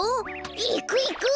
いくいく！